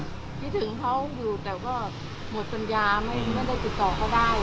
คิดถึงเขาอยู่แต่ก็หมดปัญญาไม่ได้ติดต่อเขาได้